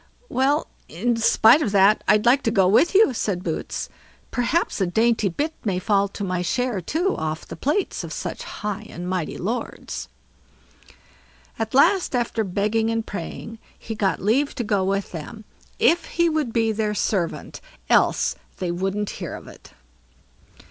"Well, but in spite of that, I'd like to go with you", said Boots; "perhaps a dainty bit may fall to my share too off the plates of such high and mighty lords." At last, after begging and praying, he got leave to go with them, if he would be their servant, else they wouldn't hear of it.